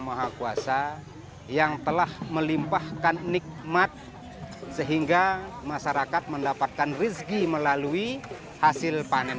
maha kuasa yang telah melimpahkan nikmat sehingga masyarakat mendapatkan rezeki melalui hasil panen